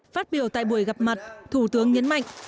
phát biểu tại buổi gặp mặt thủ tướng nhấn mạnh